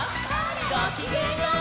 ごきげんよう！